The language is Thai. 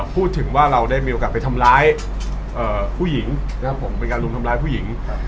พูดถึงว่าเราได้มีโอกาสไปทำร้ายผู้หญิงนะครับผมเป็นการรุมทำร้ายผู้หญิง